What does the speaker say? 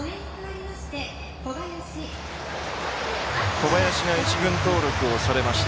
小林が一軍登録をされました。